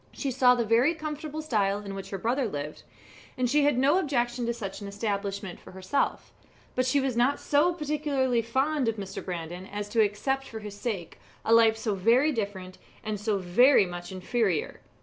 She saw the very comfortable style in which her brother lived, and she had no objection to such an establishment for herself; but she was not so particularly fond of Mr. Brandon as to accept for his sake a life so very different and so very much inferior.